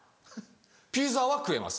ピザは食えます。